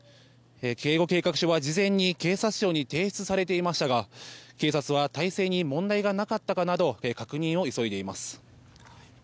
警護計画書は事前に警察庁に提出されていましたが警察は態勢に問題がなかったかなど確認を急いでいます。